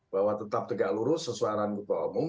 bahwa tetap tegak lurus sesuara ketua umum